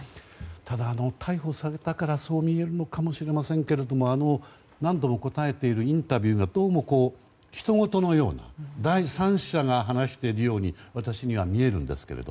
ただ、逮捕されたからそう言えるのかもしれませんが何度も答えているインタビューがどうも、ひとごとのように第三者が話しているように私には見えるんですが。